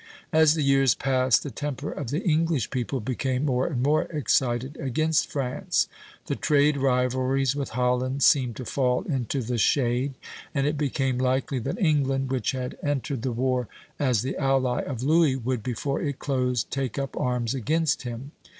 As the years passed, the temper of the English people became more and more excited against France; the trade rivalries with Holland seemed to fall into the shade, and it became likely that England, which had entered the war as the ally of Louis, would, before it closed, take up arms against him.